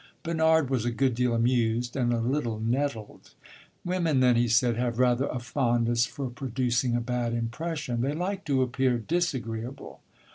Bernard was a good deal amused, and a little nettled. "Women, then," he said, "have rather a fondness for producing a bad impression they like to appear disagreeable?"